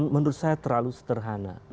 menurut saya terlalu seterhana